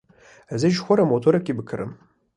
Ez ê ji xwe re motorekî bikirim.